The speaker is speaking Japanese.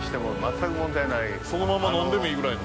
そのまま飲んでもいいぐらいの。